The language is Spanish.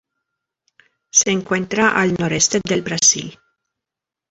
Se encuentra al noreste del Brasil.